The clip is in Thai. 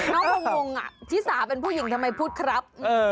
น้องงงอ่ะชิสาเป็นผู้หญิงทำไมพูดครับ